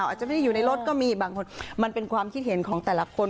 อาจจะไม่ได้อยู่ในรถก็มีบางคนมันเป็นความคิดเห็นของแต่ละคน